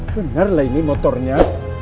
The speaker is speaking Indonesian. bener lah ini motornya